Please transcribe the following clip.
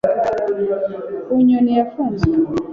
ku nyoni yafunzwe